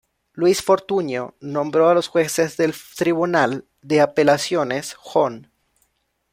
Luis Fortuño, nombró a los Jueces del Tribunal de Apelaciones Hon.